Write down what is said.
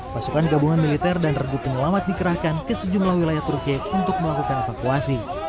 pasukan gabungan militer dan regu penyelamat dikerahkan ke sejumlah wilayah turki untuk melakukan evakuasi